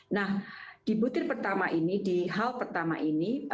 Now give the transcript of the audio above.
nah di butir pertama ini di hal pertama ini